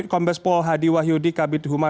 kombes pol hadi wahyudi kabit humas